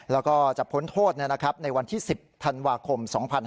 แล้วก็จะพ้นโทษในวันที่๑๐ธันวาคม๒๕๕๙